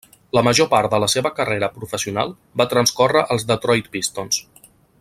La major part de la seva carrera professional va transcórrer als Detroit Pistons.